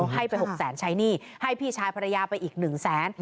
ให้ไป๖แสนใช้หนี้ให้พี่ชายภรรยาไปอีก๑แสน